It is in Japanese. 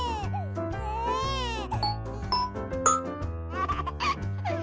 アハハッ。